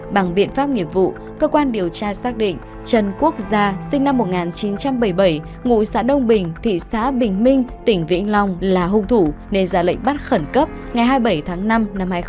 bằng biện pháp nghiệp vụ cơ quan điều tra xác định trần quốc gia sinh năm một nghìn chín trăm bảy mươi bảy ngụ xã đông bình thị xã bình minh tỉnh vĩnh long là hung thủ nên ra lệnh bắt khẩn cấp ngày hai mươi bảy tháng năm năm hai nghìn hai mươi ba